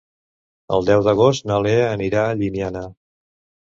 El deu d'agost na Lea anirà a Llimiana.